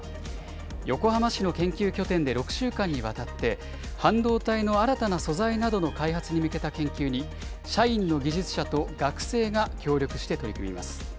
横浜市の研究拠点で６週間にわたって、半導体の新たな素材などの開発に向けた研究に、社員の技術者と学生が協力して取り組みます。